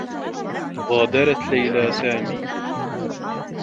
غادرت ليلى سامي.